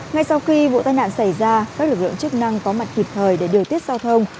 ngay sau khi vụ tai nạn xảy ra các lực lượng chức năng có mặt kịp thời để điều tiết giao thông